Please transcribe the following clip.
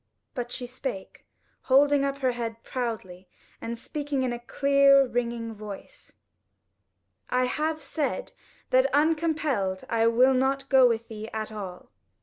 But she spake, holding up her head proudly and speaking in a clear ringing voice: "I have said it, that uncompelled I will not go with thee at all."